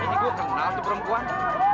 ini gue kenal tuh perempuan